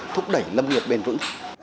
thúc đẩy lâm nghiệp bền vững